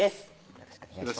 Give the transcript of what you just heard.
よろしくお願いします